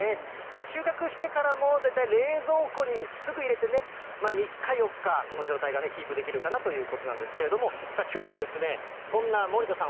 収穫してからも、大体、冷蔵庫にすぐ入れて３日、４日、この状態がキープできるかなということなんですけれども、きょうはそんな森田さん